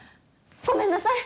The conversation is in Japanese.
ごめんなさい！